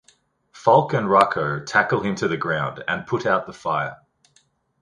Falk and Raco tackle him to the ground and put out the fire.